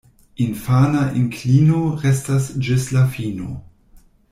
Infana inklino restas ĝis la fino.